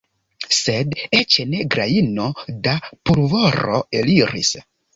Sed eĉ ne grajno da pulvoro eliris.